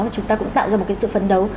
và chúng ta cũng tạo ra một cái sự phấn đấu